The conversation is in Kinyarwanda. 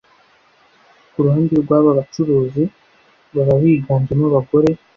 Ku ruhande rw’aba bacuruzi baba biganjemo abagore